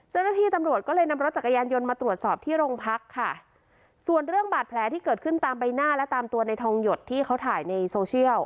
เจ้าหน้าที่ตำรวจก็เลยนำรถจักรยานยนต์มาตรวจสอบที่โรงพักค่ะส่วนเรื่องบาดแผลที่เกิดขึ้นตามใบหน้าและตามตัวในทองหยดที่เขาถ่ายในโซเชียล